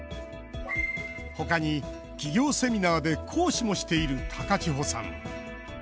他に、企業セミナーで講師もしている高千穂さん。